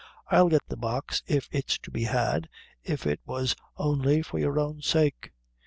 I'll get the box, if it's to be had, if it was only for your own sake."